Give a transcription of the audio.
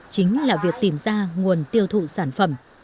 chính là việc tìm ra nguồn tiêu thụ sản phẩm